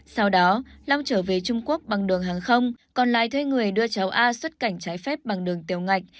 sau đó lông trở về trung quốc bằng đường hàng không còn lai thuê người đưa cháu a xuất cảnh trái phép bằng đường tiêu ngạch